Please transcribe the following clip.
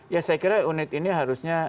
ya saya kira unit ini harusnya